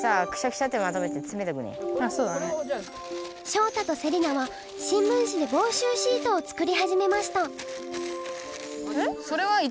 ショウタとセリナは新聞紙で防臭シートを作りはじめました。